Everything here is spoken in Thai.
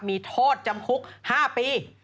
มีโทษจำคุก๕ปี